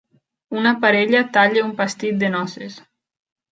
Una parella talla un pastís de noces.